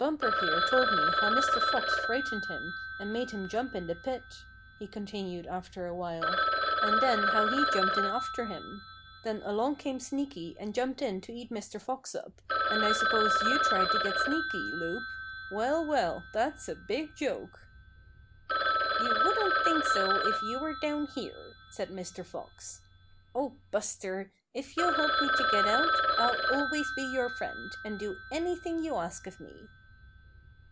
"Bumper here told me how Mr. Fox frightened him and made him jump in the pit," he continued after a while, "and then how he jumped in after him. Then along came Sneaky and jumped in to eat Mr. Fox up, and I suppose you tried to get Sneaky, Loup. Well, well, that's a big joke." "You wouldn't think so if you were down here," said Mr. Fox. "Oh, Buster, if you'll help me to get out I'll always be your friend, and do anything you ask of me."